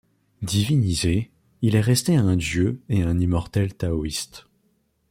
Divinisé, il est resté un dieu et un immortel taoïste.